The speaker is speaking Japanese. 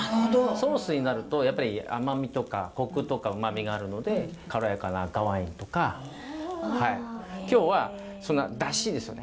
ソースになるとやっぱり甘みとかコクとか旨みがあるので軽やかな赤ワインとか。今日は出汁ですよね。